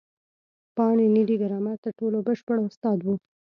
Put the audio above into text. پاڼيڼى د ګرامر تر ټولو بشپړ استاد وو.